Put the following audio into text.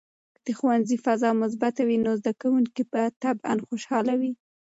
که د ښوونځي فضا مثبته وي، نو زده کوونکي به طبعاً خوشحال وي.